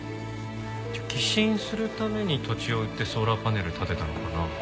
じゃあ寄進するために土地を売ってソーラーパネル立てたのかな？